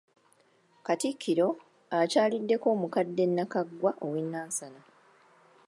Katikkiro akyaliddeko omukadde Nakaggwa owe Nansana.